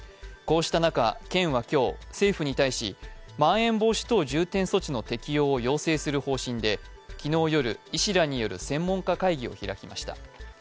こうした中、県は今日政府に対し、まん延防止等重点措置の適用を要請する方針で昨日夜、医師らによる専門家会議を開きました。